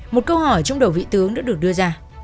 một câu hỏi trong đầu vị tướng đã được đưa ra